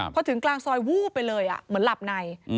พอถึงกลางซอยวูบไปเลยเหมือนหลับใน